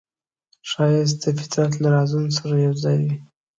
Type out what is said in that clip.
ښایست د فطرت له رازونو سره یوځای وي